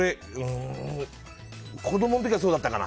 子供の時はそうだったかな。